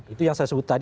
itu yang saya sebut tadi